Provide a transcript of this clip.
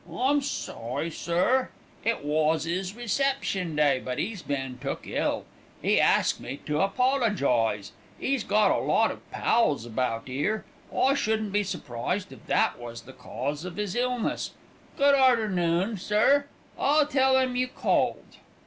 "I'm sorry, sir, it was 'is reception day, but 'e's been took ill; 'e asked me to apologise. 'E's got a lot of pals about 'ere. I shouldn't be surprised if that was the cause of his illness. Good arternoon, sir. I'll tell 'im you called."